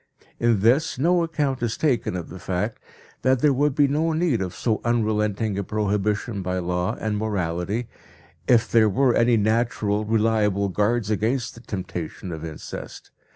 In this no account is taken of the fact that there would be no need of so unrelenting a prohibition by law and morality if there were any natural reliable guards against the temptation of incest.